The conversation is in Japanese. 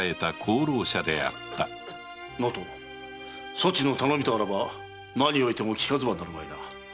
そちの頼みとあらば何をおいてもきかずばなるまい。